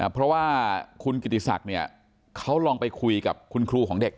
เพราะว่าคุณกิติศักดิ์เนี่ยเขาลองไปคุยกับคุณครูของเด็ก